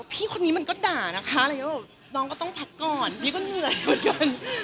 พี่คนนี้มันก็ด่านะคะน้องก็ต้องพักก่อนพี่ก็เหนื่อยเหมือนกัน